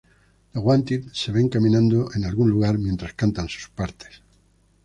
The Wanted se ven caminando en algún lugar mientras cantan sus partes.